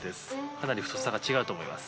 かなり太さが違うと思います。